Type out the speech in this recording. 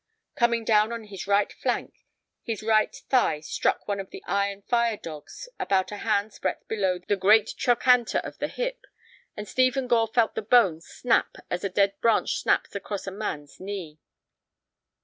Coming down on his right flank, his right thigh struck one of the iron fire dogs about a hand's breadth below the great trochanter of the hip. And Stephen Gore felt the bone snap as a dead branch snaps across a man's knee.